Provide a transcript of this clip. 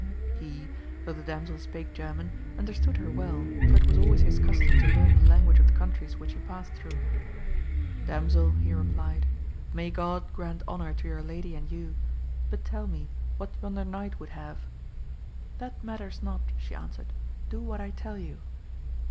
He, though the damsel spake German, understood her well, for it was always his custom to learn the language of the coun tries which he passed through. Damsel, he replied, may God grant honour to your lady and you, but tell me what yonder knight would have ] That matters not, she answered, do what I tell you.